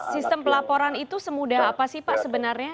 sistem pelaporan itu semudah apa sih pak sebenarnya